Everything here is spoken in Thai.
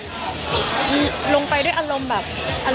กันลงไปแบบลงไปด้วยอารมณ์แบบ